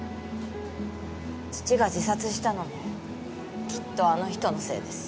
父が自殺したのもきっとあの人のせいです。